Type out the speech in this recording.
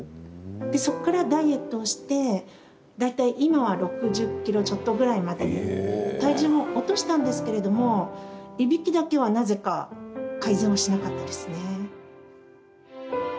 そこからダイエットをして大体、今は６０ｋｇちょっとぐらいまでに体重も落としたんですけれどもいびきだけはなぜか改善はしなかったですね。